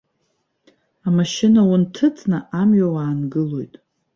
Амашьына унҭыҵны амҩа уаангылоит.